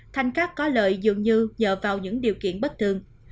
thành các có lợi dường như nhờ vào những điều kiện bất thường